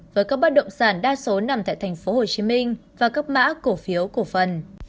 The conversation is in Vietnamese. với các bắt động sản đa số nằm tại tp hcm và các mã cổ phiếu cổ phần